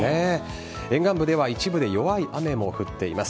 沿岸部では一部で弱い雨も降っています。